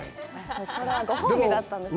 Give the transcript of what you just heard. それはご褒美だったんですね。